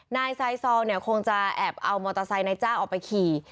นายไซซอลเนี่ยคงจะแอบเอามอเตอร์ไซค์นายจ้างออกไปขี่